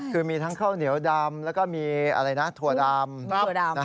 คือมีทั้งข้าวเหนียวดำแล้วก็มีถั่วดำ